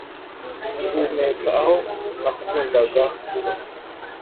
Guhumeka aho nakundaga kuba